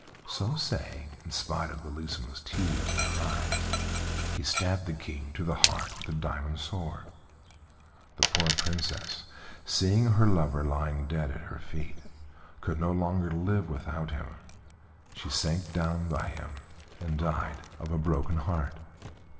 So saying, in spite of Bellissima's tears and cries, he stabbed the King to the heart with the diamond sword. The poor Princess, seeing her lover lying dead at her feet, could no longer live without him; she sank down by him and died of a broken heart.